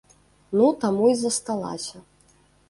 Ну таму і засталася.